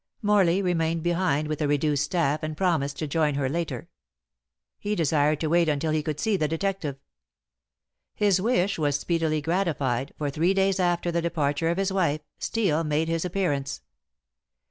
Morley remained behind with a reduced staff, and promised to join her later. He desired to wait until he could see the detective. His wish was speedily gratified, for three days after the departure of his wife Steel made his appearance.